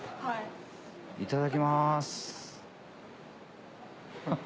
いただきます。